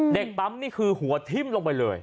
เด็กปั๊มนี่คือหัวทิ้มลงไปเลย